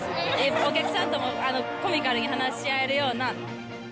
お客さんともコミカルに話し合えるような。